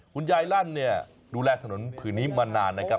คุณยายลั่นเนี่ยดูแลถนนผืนนี้มานานนะครับ